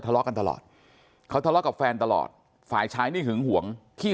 ทะเลาะกันตลอดเขาทะเลาะกับแฟนตลอดฝ่ายชายนี่หึงห่วงพี่